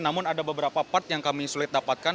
namun ada beberapa part yang kami sulit dapatkan